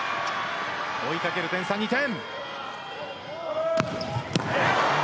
追いかける点差２点。